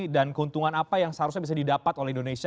dan keuntungan apa yang seharusnya bisa didapat oleh indonesia